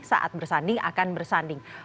saat bersanding akan bertanding